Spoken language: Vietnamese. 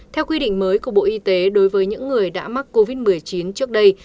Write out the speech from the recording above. theo quy định mới của bộ y tế đối với những người đã mắc covid một mươi chín trước đây